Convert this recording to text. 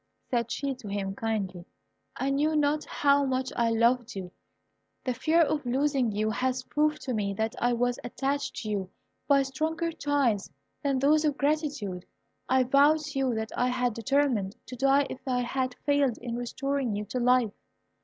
said she to him, kindly; "I knew not how much I loved you. The fear of losing you has proved to me that I was attached to you by stronger ties than those of gratitude. I vow to you that I had determined to die if I had failed in restoring you to life."